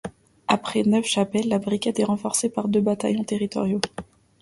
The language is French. Après Neuve-Chapelle, la brigade est renforcée par deux bataillons territoriaux.